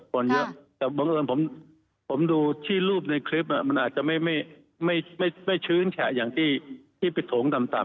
แต่บางอย่างผมดูที่รูปในคลิปมันอาจจะไม่ชื้นแค่อย่างที่ปิดโถงต่ำ